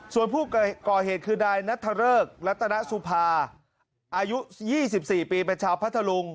ส่วนผู้ก่อเหตุคือนายนัทเริกรัตนสุภาอายุ๒๔ปีเป็นชาวพัทธลุง